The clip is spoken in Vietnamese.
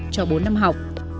cho bốn năm học